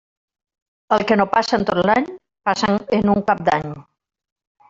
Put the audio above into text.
El que no passa en tot l'any, passa en un cap d'any.